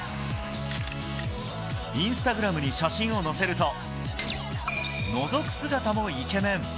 インスタグラムに写真を載せるとのぞく姿もイケメン。